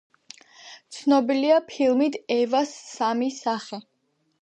ცნობილია ფილმით „ევას სამი სახე“.